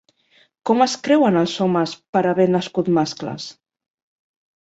Com es creuen els homes per haver nascut mascles?